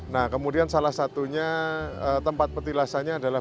nah kemudian salah satunya tempat petilasannya adalah